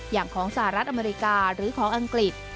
อย่างของสหรัฐอเมริกาหรือของอังกฤษ